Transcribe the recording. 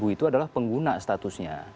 empat puluh lima itu adalah pengguna statusnya